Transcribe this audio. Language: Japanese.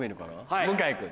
はい！